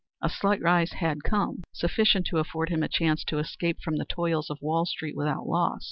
A slight rise had come, sufficient to afford him a chance to escape from the toils of Wall street without loss.